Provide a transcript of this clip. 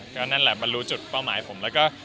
ก็นั่นแหละมันรู้จุดเป้าหมายผม